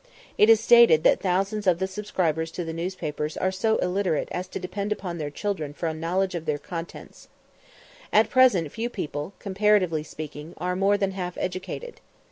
It is stated that thousands of the subscribers to the newspapers are so illiterate as to depend upon their children for a knowledge of their contents. At present few people, comparatively speaking, are more than half educated.